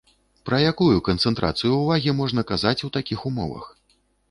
Пра якую канцэнтрацыю ўвагі можна казаць у такіх умовах?